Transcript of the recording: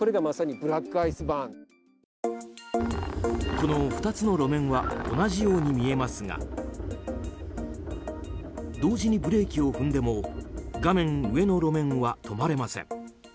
この２つの路面は同じように見えますが同時にブレーキを踏んでも画面上の路面は止まれません。